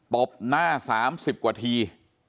บหน้า๓๐กว่าที